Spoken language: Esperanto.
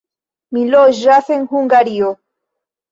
Mi loĝas en Hungario.